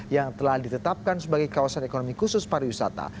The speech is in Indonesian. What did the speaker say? yang telah ditetapkan sebagai kawasan ekonomi khusus para wisata